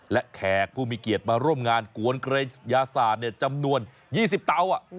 และแขกผู้มีเกียรติมาร่วมงานกวนเกรษยาศาสตร์จำนวน๒๐เตา